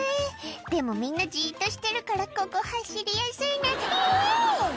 でも、みんなじっとしてるから、ここ、走りやすいな、イエーイ。